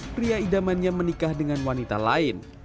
pria idamannya menikah dengan wanita lain